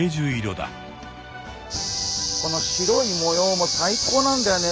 この白い模様も最高なんだよね。